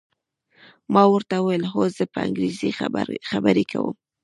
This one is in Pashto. ما ورته وویل: هو، زه په انګریزي خبرې کوم.